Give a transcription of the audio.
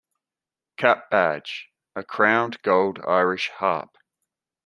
Cap Badge: A crowned gold Irish Harp.